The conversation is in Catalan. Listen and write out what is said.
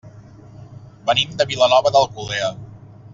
Venim de Vilanova d'Alcolea.